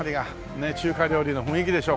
ねっ中華料理の雰囲気でしょ。